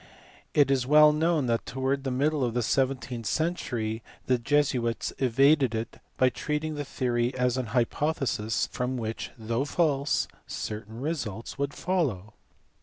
It is well known that towards the middle of the seventeenth century the Jesuits evaded it by treating the theory as an hypothesis from which, though false, certain results would follow.